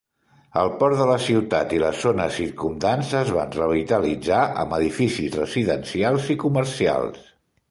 El port de la ciutat i les zones circumdants es van revitalitzar amb edificis residencials i comercials.